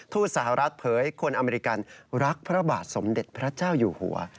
ทูตสหรัฐเผยคนอเมริกันรักพระบาทสมเด็จพระเจ้าอยู่หัว